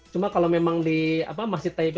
cuma kalau memang di apa masih di taiwan ya